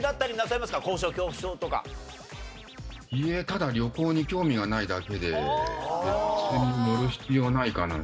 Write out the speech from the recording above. ただ旅行に興味がないだけで別に乗る必要はないかな。